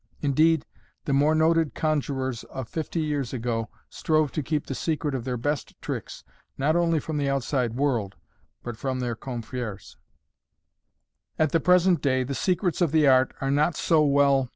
Indeed, the more noted conjurors of fifty years ago strove to keep the secret of their best tricks not only from the outside world, but from their confreres, ht the present day the secrets of the art are not so well MODERN MAGIC.